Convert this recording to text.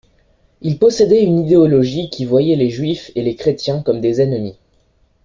Il possédait une idéologie qui voyait les juifs et les chrétiens comme des ennemis.